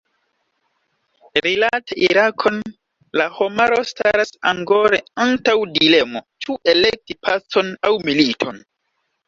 Rilate Irakon la homaro staras angore antaŭ dilemo, ĉu elekti pacon aŭ militon.